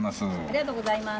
ありがとうございます。